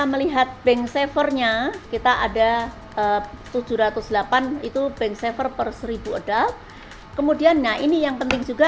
melihat bank servernya kita ada tujuh ratus delapan itu bank sever per seribu oda kemudian nah ini yang penting juga